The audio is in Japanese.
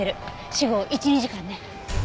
死後１２時間ね。